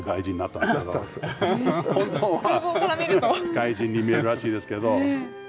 外人に見えるらしいですけど。